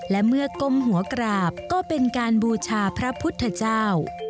และเมื่อก้มหัวกราบก็เป็นการบูชาพระพุทธเจ้า